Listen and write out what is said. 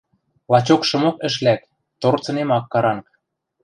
Лачокшымок ӹш лӓк, торцынем ак каранг.